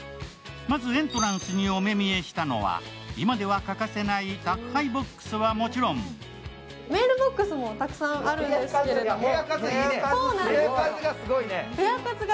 まずエントランスにお目見えしたのは今では欠かせない宅配ボックスはもちろんメールボックスもたくさんあるんですけれども。